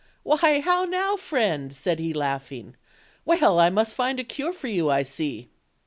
"Why, now now, friend?" said he, laughing; "well, I must find a cure for you, I see."